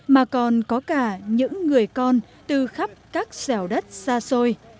mà còn có cả những người con từ khắp các dẻo đất xa xôi